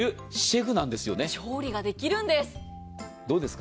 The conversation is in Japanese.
調理ができるんです。